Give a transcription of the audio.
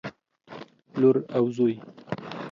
لور او زوى